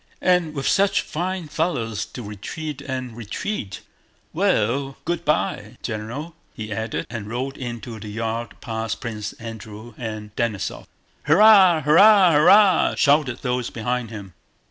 "And with such fine fellows to retreat and retreat! Well, good by, General," he added, and rode into the yard past Prince Andrew and Denísov. "Hurrah! hurrah! hurrah!" shouted those behind him.